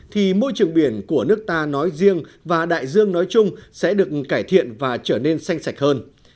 thì môi trường biển của nước ta nói riêng và đại dương nói chung sẽ được cải thiện và trở nên xanh sạch hơn